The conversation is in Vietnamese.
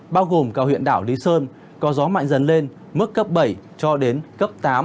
bao gồm cả huyện đảo lý sơn có gió mạnh dần lên mức cấp bảy cho đến cấp tám